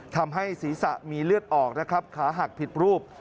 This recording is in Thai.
ทำให้ศีรษะมีเลือดออกนะครับขาหักผิดรูป